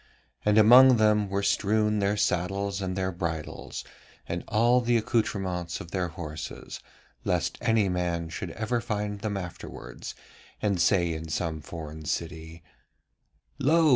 And among them were strewn their saddles and their bridles, and all the accoutrements of their horses, lest any man should ever find them afterwards and say in some foreign city: 'Lo!